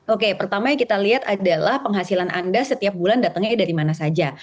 oke pertama yang kita lihat adalah penghasilan anda setiap bulan datangnya dari mana saja